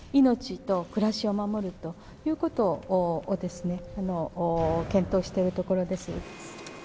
命と暮らしを守るということを検討しているところです。